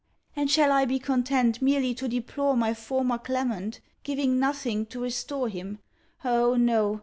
And shall I be content merely to deplore my former Clement, giving nothing, to restore him? Oh, no!